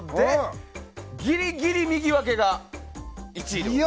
ギリギリ右分けが１位です！